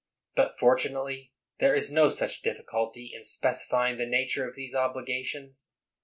But fortunately there is no such difficulty in specifying the nature of those obligations.